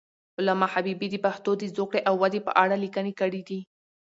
علامه حبیبي د پښتو د زوکړې او ودې په اړه لیکنې کړي دي.